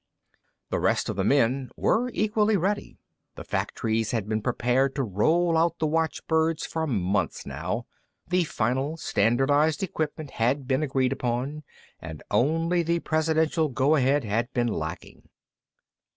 The rest of the men were equally ready. The factories had been prepared to roll out the watchbirds for months now. The final standardized equipment had been agreed upon, and only the Presidential go ahead had been lacking.